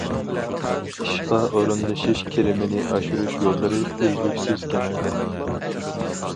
ئىشقا ئورۇنلىشىش كىرىمنى ئاشۇرۇش يوللىرى ئۈزلۈكسىز كېڭەيدى.